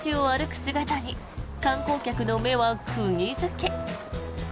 姿に観光客の目は釘付け。